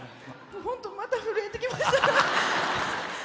本当また震えてきました。